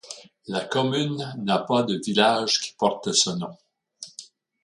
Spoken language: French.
La commune n'a pas de village qui porte ce nom.